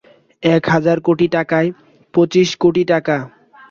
এক হাজার কোটি টাকায় পঁচিশ কোটি টাকা।